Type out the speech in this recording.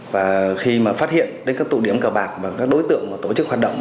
và khi mà phát hiện đến các tụ điểm cờ bạc và các đối tượng tổ chức hoạt động